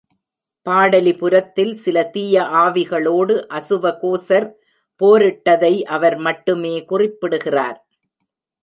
பாடலிபுரத்தில் சில தீய ஆவிகளோடு அசுவகோசர் போரிட்டதை அவர் மட்டுமே குறிப்பிடுகிறார்.